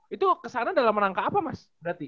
itu kesana dalam rangka apa mas berarti